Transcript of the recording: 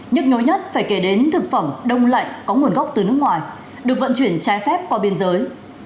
nhức nhối nhất phải kể đến thực phẩm đông lạnh có nguồn gốc từ nước ngoài được vận chuyển trái phép qua biên giới